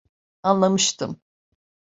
Anlamıştım.